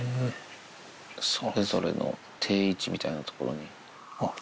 それぞれの定位置みたいな所に。